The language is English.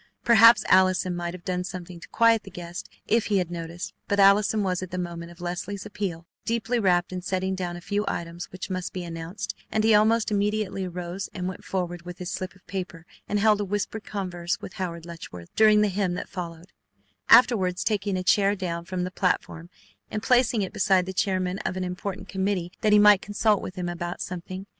Perhaps Allison might have done something to quiet the guest if he had noticed, but Allison was, at the moment of Leslie's appeal, deeply wrapped in setting down a few items which must be announced, and he almost immediately arose and went forward with his slip of paper and held a whispered converse with Howard Letchworth during the hymn that followed, afterwards taking a chair down from the platform and placing it beside the chairman of an important committee that he might consult with him about something.